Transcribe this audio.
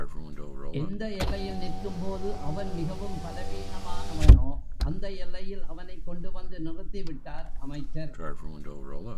எந்த எல்லையில் நிற்கும்போது அவன் மிகவும் பலவீனமானவனோ அந்த எல்லையில் அவனைக் கொண்டுவந்து நிறுத்திவிட்டார் அமைச்சர்.